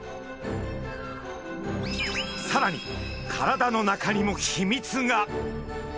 さらに体の中にも秘密が！